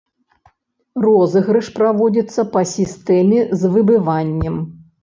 Розыгрыш праводзіцца па сістэме з выбываннем.